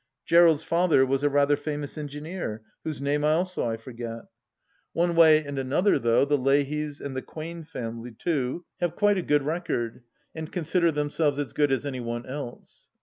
Gerald's father was a rather famous engineer, whose name also I forget. One THE LAST DITCH 46 way and another, though, the Leahys, and the Quain family too, have quite a good record, and consider themselves as good as any one else.